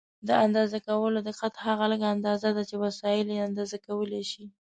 د اندازه کولو دقت هغه لږه اندازه ده چې وسایل یې اندازه کولای شي.